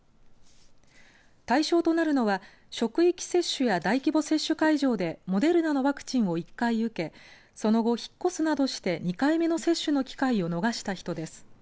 対象となるのは職域接種や大規模接種会場でモデルナのワクチンを１回受けその後、引っ越すなどして２回目の接種の機会を逃した人です。